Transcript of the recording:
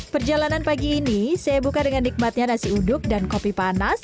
perjalanan pagi ini saya buka dengan nikmatnya nasi uduk dan kopi panas